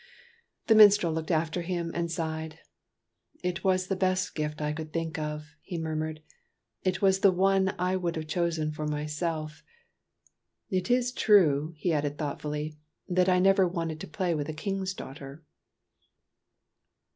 The minstrel looked after him and sighed. "It was the best gift I could think of," he murmured; "it was the one I would have chosen for myself. It is true," he added thought fully, "that I never wanted to play with a King's daughter."